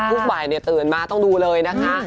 ทุกบ่ายตื่นมาต้องดูเลยนะคะ